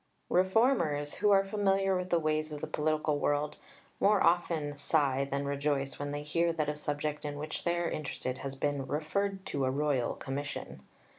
Reformers, who are familiar with the ways of the political world, more often sigh than rejoice when they hear that a subject in which they are interested has been "referred to a Royal Commission."